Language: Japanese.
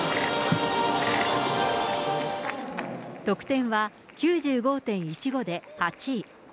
得点は９５．１５で８位。